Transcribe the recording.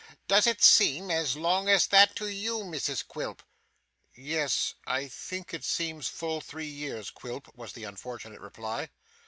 Does it seem as long as that to you, Mrs Quilp?' 'Yes, I think it seems full three years, Quilp,' was the unfortunate reply.